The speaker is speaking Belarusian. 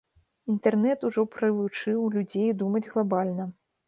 Інтэрнэт ужо прывучыў людзей думаць глабальна.